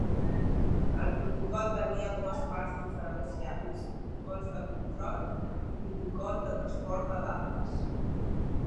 El protocol tenia dues parts diferenciades: protocols de control i protocol de transport de dades.